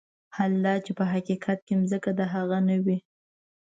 حال دا چې په حقيقت کې ځمکه د هغه نه وي.